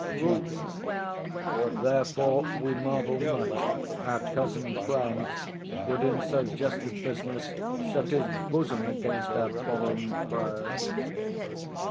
DUKE. Therefore we marvel much our cousin France Would, in so just a business, shut his bosom Against our borrowing prayers.